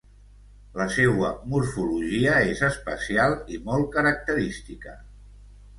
La seua morfologia és especial i molt característica.